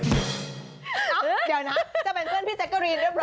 เดี๋ยวนะจะเป็นเพื่อนพี่แจ๊กกะรีนเรียบร